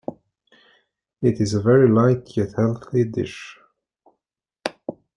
It is a very light yet healthy dish.